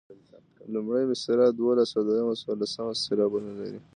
لومړۍ مصرع دولس او دویمه څوارلس سېلابونه لري.